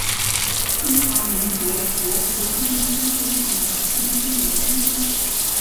中华民国国父孙中山先生长兄孙眉的曾孙。